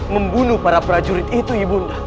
membunuh para prajurit itu ibunda